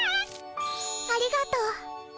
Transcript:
ありがとう。